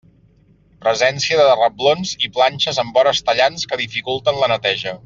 Presència de reblons i planxes amb vores tallants que dificulten la neteja.